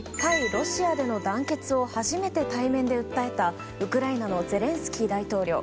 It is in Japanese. ロシアへの団結を初めて対面で訴えたウクライナのゼレンスキー大統領。